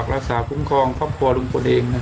ใช่แล้วลองฟังเสียงลุงพลดูนะคะ